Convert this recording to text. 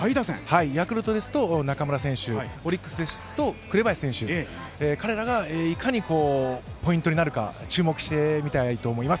ヤクルトですと中村選手、オリックスですと紅林選手、彼らがいかにポイントになるか、注目してみたいと思います。